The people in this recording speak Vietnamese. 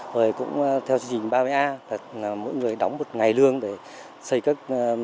rồi cũng theo chương trình ba mươi a mỗi người đóng một ngày lương để xây các